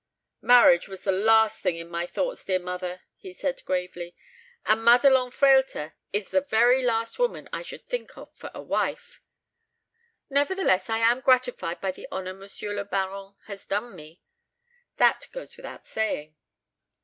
"Marriage was the last thing in my thoughts, dear mother," he said, gravely; "and Madelon Frehlter is the very last woman I should think of for a wife. Nevertheless, I am gratified by the honour Monsieur le Baron has done me. That goes without saying."